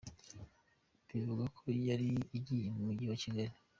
Bivugwa ko yari igiye mu Mujyi wa Kigali.